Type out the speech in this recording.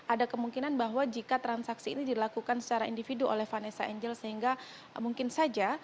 ada kemungkinan bahwa jika transaksi ini dilakukan secara individu oleh vanessa angel sehingga mungkin saja